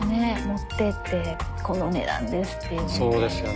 持ってってこの値段ですっていうの。